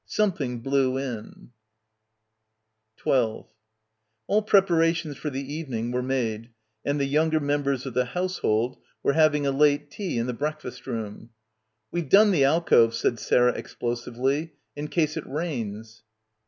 "Something blew in !" 12 All preparations for the evening were made and the younger members of the household were hav ing a late tea in the breakfast room. "We've done the alcoves," said Sarah explosively, "in case it rains."